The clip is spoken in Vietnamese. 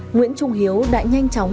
nguyễn trung hiếu đã nhanh chóng